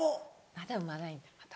まだ産まないんだ。